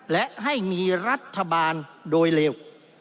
และให้มีรัฐบาลโดยเร็ว